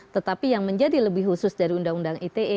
tetapi yang menjadi lebih khusus dari undang undang ite